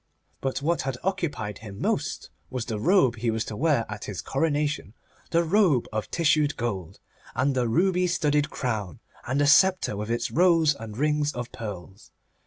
But what had occupied him most was the robe he was to wear at his coronation, the robe of tissued gold, and the ruby studded crown, and the sceptre with its rows and rings of pearls.